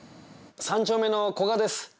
３丁目のこがです。